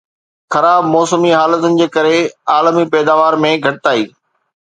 خراب موسمي حالتن جي ڪري عالمي پيداوار ۾ گهٽتائي